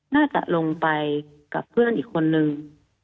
น่าจะลงไปกับเพื่อนอีกคนนึง